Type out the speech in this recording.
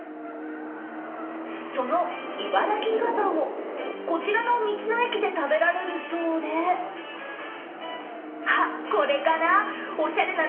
そのいばらきガパオ、こちらの道の駅で食べられるそうであっ、これかな？